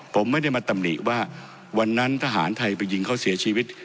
ผมไม่ได้มาตำหนิว่าวันนั้นทหารไทยไปยิงเขาเสียชีวิต